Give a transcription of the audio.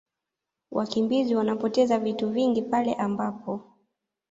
Wakimbizi wanapoteza vitu vingi pale ambapo